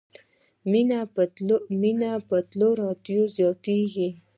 مینه په تلو راتلو زیاتیږي.